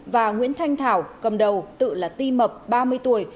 và nguyễn thanh thảo cầm đầu tự là ti mập ba mươi tuổi